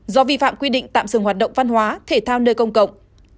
do vi phạm quy định tạm dừng hoạt động văn hóa thể thao nơi công cộng